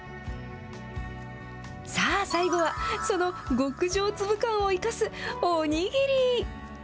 さあ、最後はその極上粒感を生かすお握り。